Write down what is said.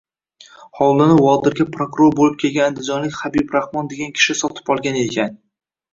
Xovlini Vodilga prokuror bo’lib kelgan andijonlik Habib Rahmon degan kishi sotib olgan ekan.